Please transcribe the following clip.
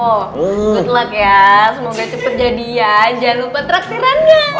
good luck ya semoga cepat jadi ya jangan lupa traktirannya